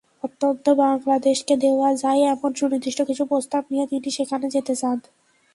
অন্তত বাংলাদেশকে দেওয়া যায়—এমন সুনির্দিষ্ট কিছু প্রস্তাব নিয়ে তিনি সেখানে যেতে চান।